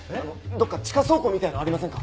どっか地下倉庫みたいなのありませんか？